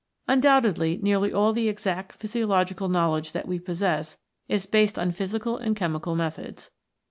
Undoubtedly nearly all the exact physiological knowledge that we possess is based on physical and chemical methods.